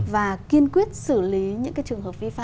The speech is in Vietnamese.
và kiên quyết xử lý những trường hợp vi phạm